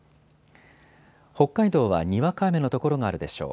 北海道はにわか雨の所があるでしょう。